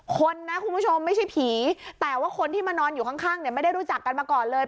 คนนะคุณผู้ชมไม่ใช่ผีแต่ว่าคนที่มานอนอยู่ข้างเนี่ยไม่ได้รู้จักกันมาก่อนเลย